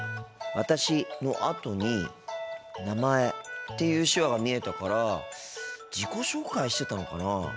「私」のあとに「名前」っていう手話が見えたから自己紹介してたのかなあ。